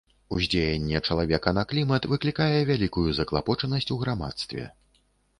Уздзеянне чалавека на клімат выклікае вялікую заклапочанасць у грамадстве.